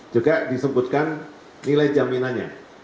juga disebutkan nilai jaminannya